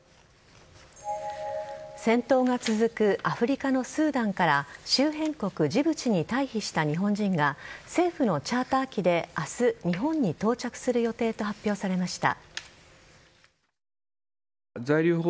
戦闘が続くアフリカのスーダンから周辺国・ジブチに退避した日本人が政府のチャーター機で明日、日本に到着する予定と発表されました。